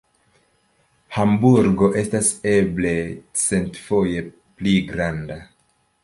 Hamburgo estas eble centfoje pli granda.